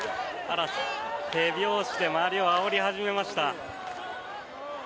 手拍子で周りをあおり始めました。